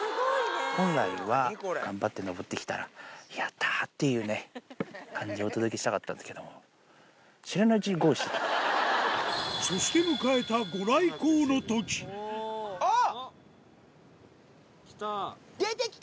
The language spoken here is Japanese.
本来は、頑張って登ってきたら、やったーっていうね、感じをお届けしたかったんですけど、知らなそして迎えた御来光のとき。